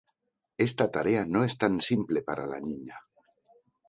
Esta tarea no es tan simple para la niña.